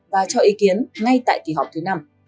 và cho ý kiến ngay tại kỳ họp thứ năm